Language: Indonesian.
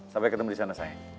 sampai ketemu di sana saya